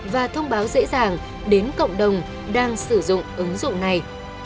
và thông báo dễ dàng đến cộng đồng đang sử dụng ứng dụng này